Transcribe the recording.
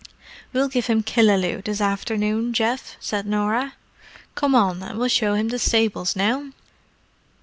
"We'll give him Killaloe this afternoon, Geoff," said Norah. "Come on, and we'll show him the stables now."